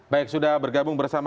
baik sudah bergabung bersama